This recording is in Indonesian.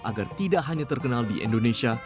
agar tidak hanya terkenal di indonesia